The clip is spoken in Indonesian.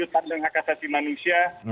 pandang hak asasi manusia